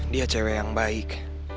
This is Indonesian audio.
dia cewek yang baik